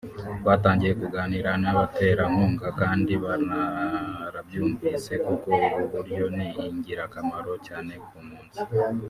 twatangitye kuganira n’abaterankunga kandi barabyumvise kuko ubu buryo ni ingirakamaro cyane ku mpunzi